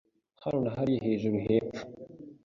Hano na hariya hejuru hepfo